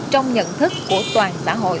trong nhận thức của toàn xã hội